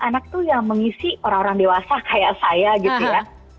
anak tuh yang mengisi orang orang dewasa kayak saya gitu kan